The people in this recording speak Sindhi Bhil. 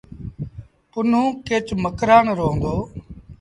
پنهون ڪيچ مڪرآݩ رو هُݩدو۔